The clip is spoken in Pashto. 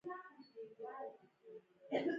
پاکستانیان د پیسو په بدل کې خپله مور او خور هم خرڅوي.